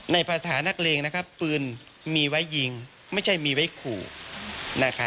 ภาษานักเลงนะครับปืนมีไว้ยิงไม่ใช่มีไว้ขู่